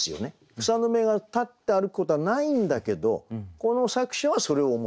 草の芽が立って歩くことはないんだけどこの作者はそれを思ったということで。